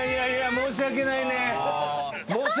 申し訳ないね。